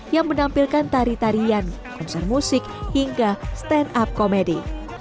yang menampilkan tari tarian konser musik hingga stand up komedi